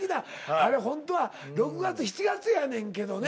あれほんとは６月７月やねんけどね。